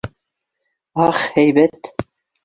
Ах һәйбәт!